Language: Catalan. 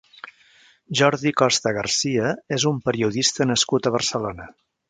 Jordi Costa Garcia és un periodista nascut a Barcelona.